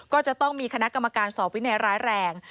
ก็จะต้องมีคณะกรรมการสอบวินัยร้ายแรง